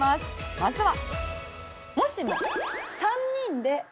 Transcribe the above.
まずは。